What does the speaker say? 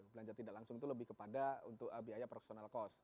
belanja tidak langsung itu lebih kepada untuk biaya proxtional cost